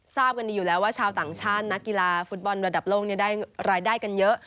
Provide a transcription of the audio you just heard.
ทราบกันดีอยู่แล้วว่าชาวต่างชาตินักกีฬาฟุตบอลระดับโลกนี้ได้รายได้กันเยอะ